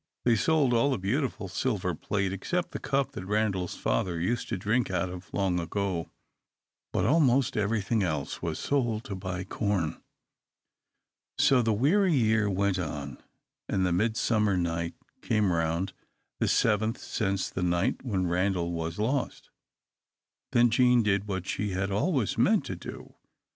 They sold all the beautiful silver plate, except the cup that Randal's father used to drink out of long ago. But almost everything else was sold to buy corn. So the weary year went on, and Midsummer Night came round the seventh since the night when Randal was lost. Then Jean did what she had always meant to do.